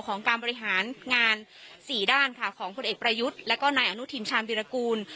ของการบริหารงานสี่ด้านค่ะของผลเอกประยุทธ์แล้วก็นายอนุทินชาญวิรากูล